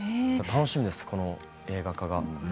楽しみなんです、この映画化が。